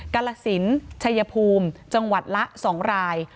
กาลสินชัยภูมิจังหวัดละ๒ราย